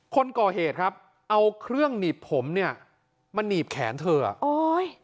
คนก่อเหตุครับเอาเครื่องหนีบผมเนี่ยมาหนีบแขนเธออ่ะโอ้ย